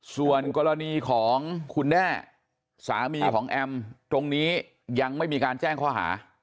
ส่วนกรณีของคุณแน่สามีของแอมตรงนี้ยังไม่มีการแจ้งข้อหา